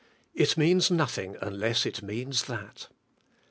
It means nothing* unless it means that.